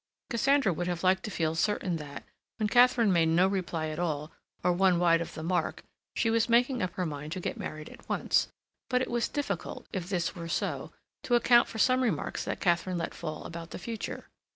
Cassandra would have liked to feel certain that, when Katharine made no reply at all or one wide of the mark, she was making up her mind to get married at once, but it was difficult, if this were so, to account for some remarks that Katharine let fall about the future.